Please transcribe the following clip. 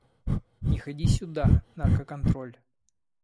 Не ходи сюда, наркоконтролль!